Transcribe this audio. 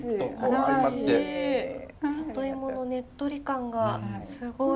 里芋のねっとり感がすごい。